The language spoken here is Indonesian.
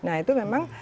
nah itu memang